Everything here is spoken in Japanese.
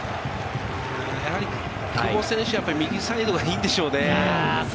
久保選手は右サイドがいいんでしょうね。